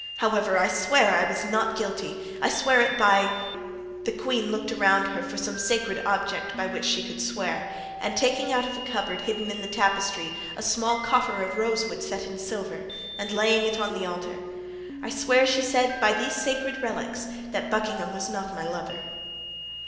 However, I swear I was not guilty, I swear it by——" The queen looked around her for some sacred object by which she could swear, and taking out of a cupboard hidden in the tapestry, a small coffer of rosewood set in silver, and laying it on the altar: "I swear," she said, "by these sacred relics that Buckingham was not my lover."